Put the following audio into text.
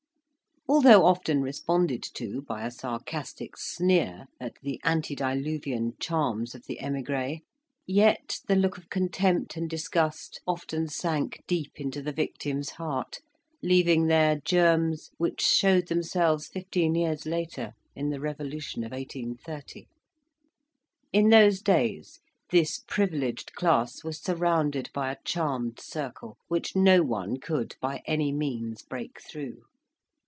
Although often responded to by a sarcastic sneer at the antediluvian charms of the emigree, yet the look of contempt and disgust often sank deep into the victim's heart, leaving there germs which showed themselves fifteen years later in the revolution of 1830. In those days, this privileged class was surrounded by a charmed circle, which no one could by any means break through.